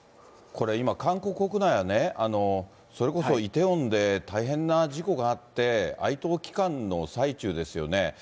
今、韓国国内はそれこそイテウォンで大変な事故があって、哀悼期間の最中ですよね。